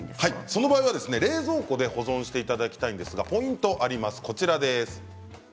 その場合は冷蔵庫で保存していただきたいんですがポイントがあります。